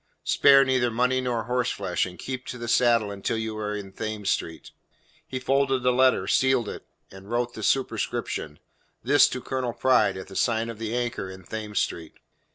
Spare neither money nor horseflesh, and keep to the saddle until you are in Thames Street." He folded the letter, sealed it, and wrote the superscription: "This to Colonel Pride, at the sign of the Anchor in Thames Street."